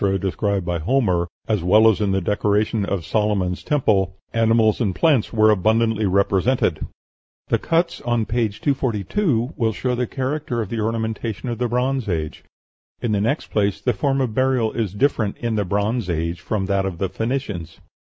described by Homer, as well as in the decoration of Solomon's Temple, animals and plants were abundantly represented." The cuts on p. 242 will show the character of the ornamentation of the Bronze Age. In the next place, the form of burial is different in the Bronze Age from that of the Phoenicians.